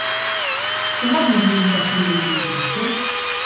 Zenbat mobilizazio deitu dituzte?